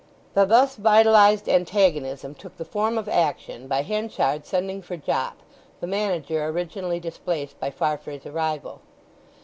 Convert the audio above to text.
The thus vitalized antagonism took the form of action by Henchard sending for Jopp, the manager originally displaced by Farfrae's arrival.